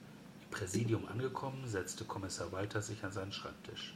Im Präsidium angekommen, setzte Kommissar Walter sich an seinen Schreibtisch.